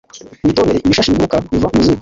witondere ibishashi biguruka biva mu ziko